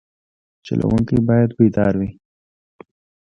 چلوونکی باید بیدار وي.